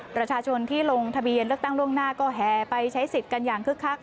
ประชาชนที่ลงทะเบียนเลือกตั้งล่วงหน้าก็แห่ไปใช้สิทธิ์กันอย่างคึกคัก